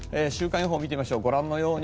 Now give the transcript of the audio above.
週間予報を見てみましょう。